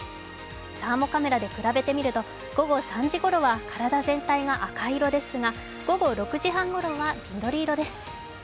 サーもカメラで比べててみると午後３時ごろは体全体が赤色ですが午後６時半ごろは緑色です。